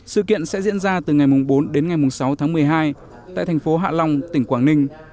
sự kiện sẽ diễn ra từ ngày bốn đến ngày sáu tháng một mươi hai tại thành phố hạ long tỉnh quảng ninh